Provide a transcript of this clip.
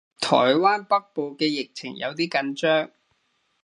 台灣北部嘅疫情有啲緊張